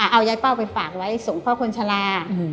เอายายเป้าไปฝากไว้ส่งพ่อคนชะลา